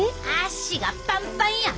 足がパンパンや！